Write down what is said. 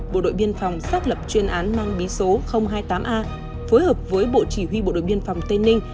bộ đội biên phòng xác lập chuyên án mang bí số hai mươi tám a phối hợp với bộ chỉ huy bộ đội biên phòng tây ninh